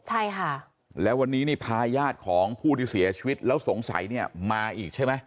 ใช่ค่ะแล้ววันนี้นี่พาญาติของผู้ที่เสียชีวิตแล้วสงสัยเนี่ยมาอีกใช่ไหม